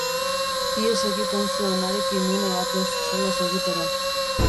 Ihes egiten zuen harekin une batez solas egitera.